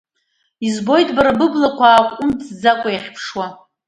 Избоит бара быблақәа ааҟәымҵкәа иахьыԥшуа…